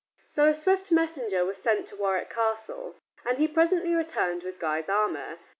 So a swift messenger was sent to Warwick Castle, and he presently returned with Guy's armor.